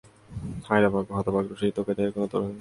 হায় রে হতভাগ্য রসিক, তোকে দেখে কোনো তরুণী লজ্জাতে পলায়নও করে না!